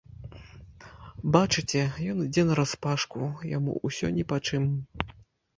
Бачыце, ён ідзе нараспашку, яму ўсё ні па чым.